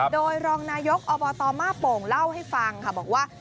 โดยรองนายกอบตมาโป่งเล่าให้ฟังค่ะบอกว่า